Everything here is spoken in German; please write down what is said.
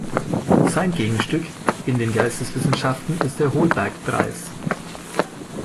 Sein Gegenstück in den Geisteswissenschaften ist der Holberg-Preis.